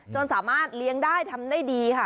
สามารถเลี้ยงได้ทำได้ดีค่ะ